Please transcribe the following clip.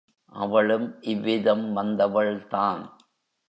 அவளும் இவ்விதம் வந்தவள் தான்.